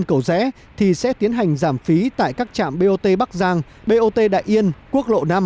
cầu rẽ thì sẽ tiến hành giảm phí tại các trạm bot bắc giang bot đại yên quốc lộ năm